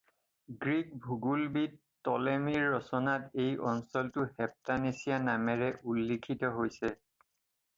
Greek ভূগোলবিদ টলেমিৰ ৰচনাত এই অঞ্চলটো হেপটানেচিয়া নামেৰে উল্লিখিত হৈছে।